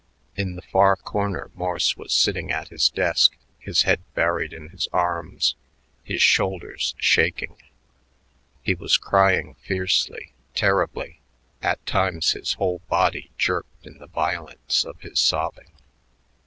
In the far corner Morse was sitting at his, desk, his head buried in his arms, his shoulders shaking. He was crying fiercely, terribly; at times his whole body jerked in the violence of his sobbing.